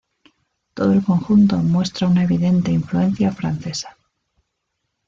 Todo el conjunto muestra una evidente influencia francesa.